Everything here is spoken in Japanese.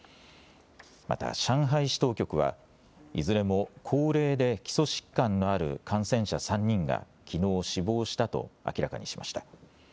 また上海市当局はいずれも高齢で基礎疾患のある感染者３人がきのう死亡したと明らかにしました。